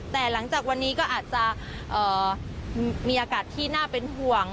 แต่หลังจากวันนี้ก็อาจจะมีอากาศที่น่าเป็นห่วง